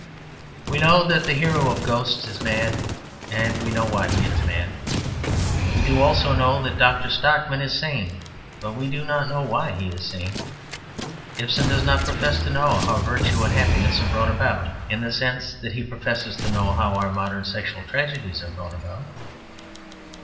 We know that the hero of GHOSTS is mad, and we know why he is mad. We do also know that Dr. Stockman is sane; but we do not know why he is sane. Ibsen does not profess to know how virtue and happiness are brought about, in the sense that he professes to know how our modern sexual tragedies are brought about.